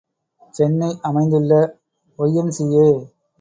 சென்னை அமைந்துள்ள ஒய்.எம்.சி.ஏ.